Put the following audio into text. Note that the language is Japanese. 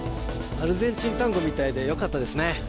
アルゼンチンタンゴみたいでよかったですね